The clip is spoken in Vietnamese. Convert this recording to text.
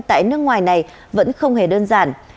tại nước ngoài này vẫn không hề đơn giản